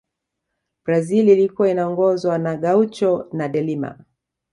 brazil ilikuwa inaongozwa na gaucho na delima